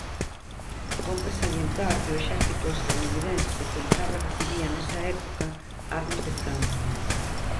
Cómpre salientar que o exército estadounidense compraba e recibía nesa época armas de Francia.